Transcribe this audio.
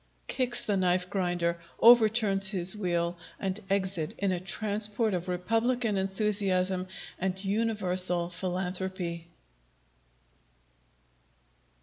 [_Kicks the Knife grinder, overturns his wheel, and exit in a transport of republican enthusiasm and universal philanthropy.